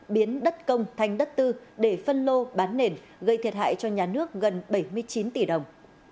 biến đất công thành đất tư để phân lô bán nền gây thiệt hại cho nhà nước gần bảy mươi chín tỷ đồng